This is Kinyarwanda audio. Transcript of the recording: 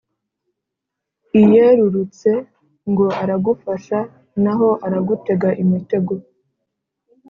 iyerurutse ngo aragufasha, naho aragutega imitego